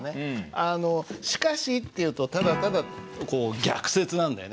「しかし」っていうとただただこう逆接なんだよね。